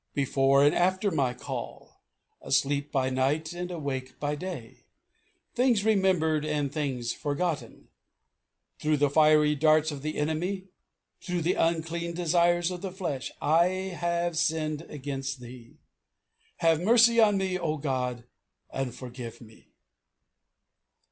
Before and after my call. Asleep by night and awake by day. Things remembered and things forgotten. Through the fiery darts of the enemy, through the unclean desires of the flesh I have sinned against Thee. Have mercy on me, O God, and forgive me!"